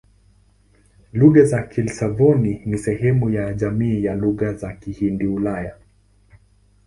Lugha za Kislavoni ni sehemu ya jamii ya Lugha za Kihindi-Kiulaya.